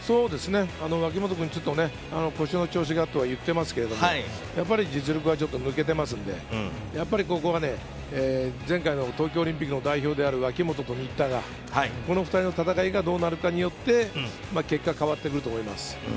脇本君、ちょっと腰の調子がと言っていますけど、やはり実力が抜けていますので、やっぱりここは前回の東京オリンピックの代表である脇本と新田が、この２人の戦いがどうなるかによって、結果が変わってくると思います。